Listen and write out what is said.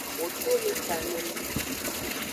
Ho to le kaneme.